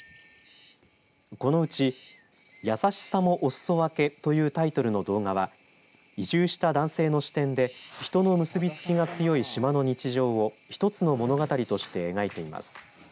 このうち、優しさもおすそ分けというタイトルの動画は移住した男性の視点で人の結び付きが強い島の日常を一つの物語として描いています。